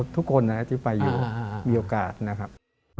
ทุกคนที่ไปอยู่มีโอกาสนะครับ